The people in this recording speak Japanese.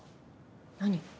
何？